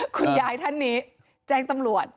คุณยายท่านนี้แจ้งตำรวจ